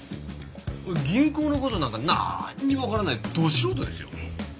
銀行の事なんかなんにもわからないど素人ですよ？